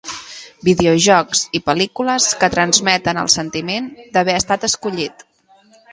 Videojocs i pel·lícules que transmeten el sentiment d'haver estat escollit.